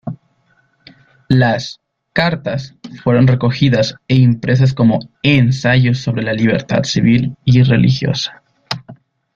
Las "Cartas" fueron recogidas e impresas como "Ensayos sobre la libertad, civil y religiosa".